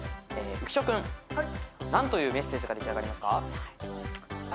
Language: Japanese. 浮所君何というメッセージが出来上がりますか？